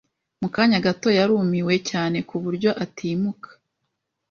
Mu kanya gato, yarumiwe cyane ku buryo atimuka.